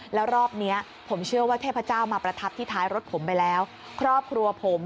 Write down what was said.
แล้วรอบนี้ผมเชื่อว่าเทพเจ้ามาประทับที่ท้ายรถผมไปแล้ว